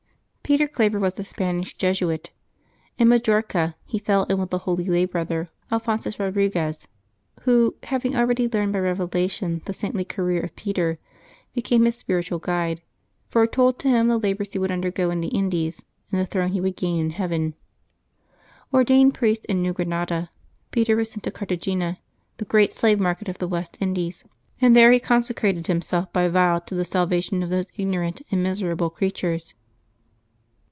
CETER Claver was a Spanish Jesuit. In Majorca he fell in with the holy lay brother Alphonsns Eodri^ez, who, having already learned by revelation the saintly career of Peter, became his spiritual guide, foretold to him the labors he would undergo in the Indies, and the throne he wouM gain in heaven. Ordained priest in New Granada, Peter was sent to Cartagena, the great slave mart of the West Indies, and there he consecrated himself by vow to the salvation of those ignorant and miserable creatures.